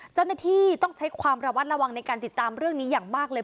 เจ้าหน้าที่ต้องใช้ความระมัดระวังในการติดตามเรื่องนี้อย่างมากเลย